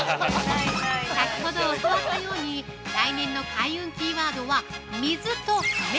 先ほど教わったように、来年の開運キーワードは、「水」と「目」！